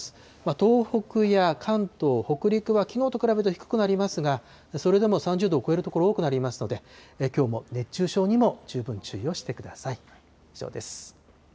東北や関東、北陸は、きのうと比べて低くなりますが、それでも３０度を超える所多くなりますので、きょうも熱中症にも十分注意をしてください。